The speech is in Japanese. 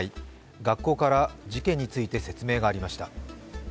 学校から事件について説明がありました。